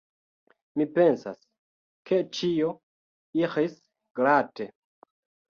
Mi pensas, ke ĉio iris glate.